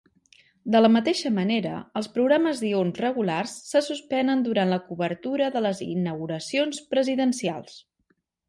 De la mateixa manera, els programes diürns regulars se suspenen durant la cobertura de les inauguracions presidencials.